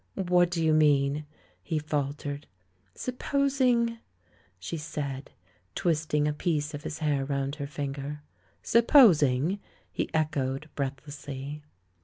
"What do you mean?" he faltered. "Supi^osing " she said, twisting a piece of his hair round her finger. "'Supposing'?" he echoed, breathlessly.